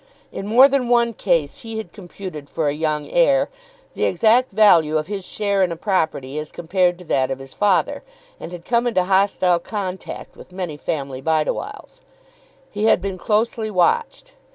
In more than one case he had computed for a young heir the exact value of his share in a property as compared to that of his father, and had come into hostile contact with many family Bideawhiles. He had been closely watched.